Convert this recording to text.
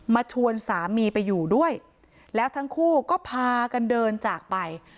ชวนสามีไปอยู่ด้วยแล้วทั้งคู่ก็พากันเดินจากไป